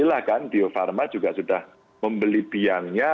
nah kita sudah membeli biangnya